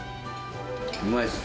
うまいっす。